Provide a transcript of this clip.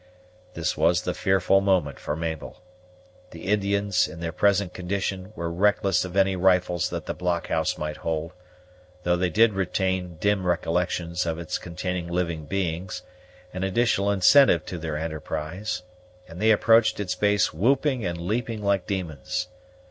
This was the fearful moment for Mabel. The Indians, in their present condition, were reckless of any rifles that the blockhouse might hold, though they did retain dim recollections of its containing living beings, an additional incentive to their enterprise; and they approached its base whooping and leaping like demons.